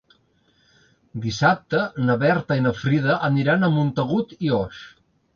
Dissabte na Berta i na Frida aniran a Montagut i Oix.